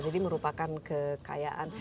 jadi merupakan kekayaan